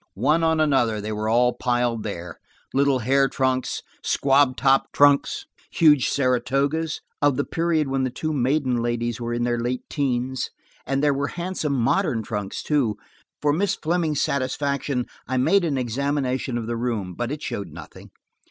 One on another they were all piled there–little hair trunks, squab topped trunks, huge Saratogas–of the period when the two maiden ladies were in their late teens–and there were handsome, modern trunks, too. For Miss Fleming's satisfaction I made an examination of the room, but it showed nothing.